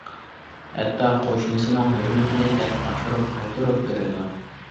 ھەتتا قوشنىسىنىڭ ھۆرمىتىنى دەپ ئاشۇرۇپ قايتۇرۇپ بېرىدۇ.